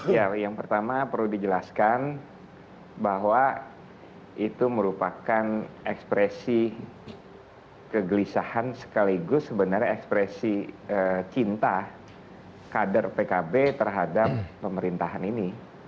ya yang pertama perlu dijelaskan bahwa itu merupakan ekspresi kegelisahan sekaligus sebenarnya ekspresi cinta kader pkb terhadap pemerintahan ini